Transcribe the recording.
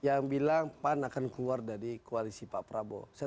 yang bilang pan akan keluar dari koalisi pak prabowo